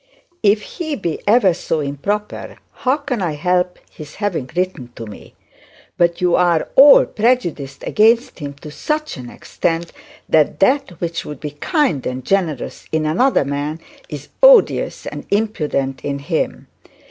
'If he be ever so improper, how can I help his having written to me? But you are all prejudiced against him to such an extent, that that which would be kind and generous in another man is odious and impudent in him.